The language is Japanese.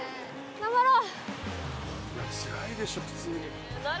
頑張ろう！